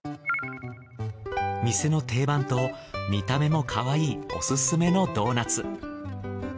店の定番と見た目もかわいいおすすめのドーナツ。